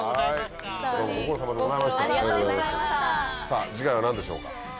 さぁ次回は何でしょうか？